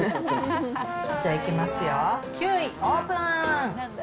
じゃ、いきますよ、９位、オープン。